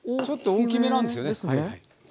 ちょっと大きめなんですよね。ですね。